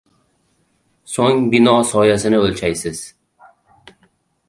Soʻng bino soyasini oʻlchaysiz.